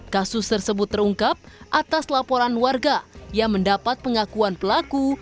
kasus tersebut terungkap atas laporan warga yang mendapat pengakuan pelaku